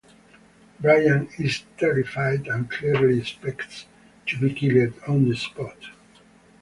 Brian is terrified and clearly expects to be killed on the spot.